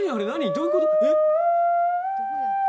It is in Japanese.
どういうこと？